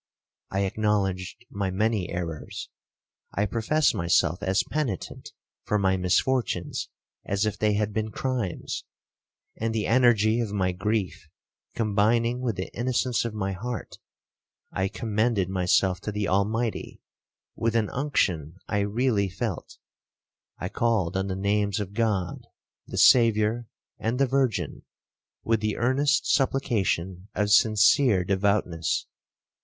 I acknowledged my many errors,—I professed myself as penitent for my misfortunes as if they had been crimes; and the energy of my grief combining with the innocence of my heart, I commended myself to the Almighty with an unction I really felt,—I called on the names of God, the Saviour, and the Virgin, with the earnest supplication of sincere devoutness.